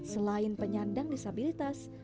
selain penyandang disabilitas